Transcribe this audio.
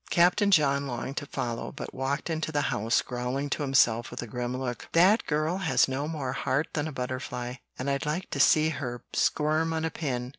Captain John longed to follow, but walked into the house, growling to himself with a grim look, "That girl has no more heart than a butterfly, and I'd like to see her squirm on a pin!